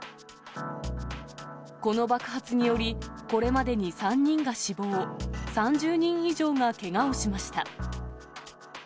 この爆発により、これまでに３人が死亡、３０人以上がけがをしました。